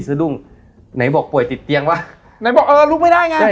สะดุ้งไหนบอกป่วยติดเตียงวะไหนบอกเออลุกไม่ได้ไง